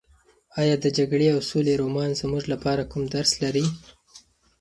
ایا د جګړې او سولې رومان زموږ لپاره کوم درس لري؟